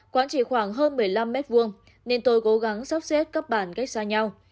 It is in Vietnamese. quãng chỉ khoảng hơn một mươi năm m hai nên tôi cố gắng sắp xếp các bản cách xa nhau